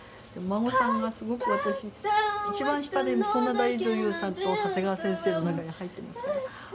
お孫さんがすごく私一番下でそんな大女優さんと長谷川先生の中に入ってますから。